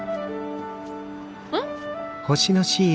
うん？